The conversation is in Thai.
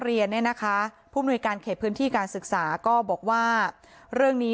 เรียนเนี่ยนะคะผู้มนุยการเขตพื้นที่การศึกษาก็บอกว่าเรื่องนี้